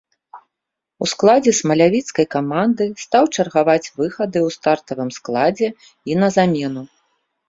У складзе смалявіцкай каманды стаў чаргаваць выхады ў стартавым складзе і на замену.